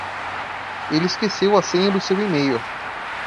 Ele esqueceu a senha do seu e-mail.